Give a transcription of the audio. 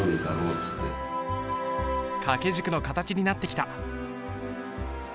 掛軸の形になってきた。